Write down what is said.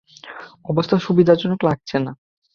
অবস্থা সুবিধাজনক লাগছে না!